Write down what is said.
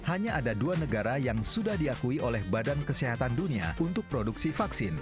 hanya ada dua negara yang sudah diakui oleh badan kesehatan dunia untuk produksi vaksin